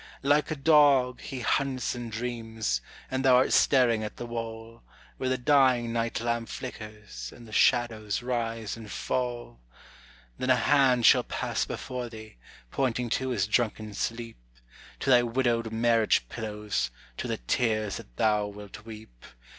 Like a dog, he hunts in dreams; and thou art staring at the wall, Where the dying night lamp flickers, and the shadows rise and fall. Then a hand shall pass before thee, pointing to his drunken sleep, To thy widowed marriage pillows, to the tears that thou wilt weep.